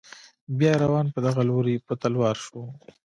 بیا روان په دغه لوري په تلوار شو.